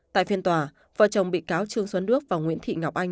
tại phiên tòa vợ chồng bị cáo trương xuân đức và nguyễn thị ngọc anh